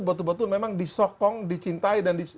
betul betul memang disokong dicintai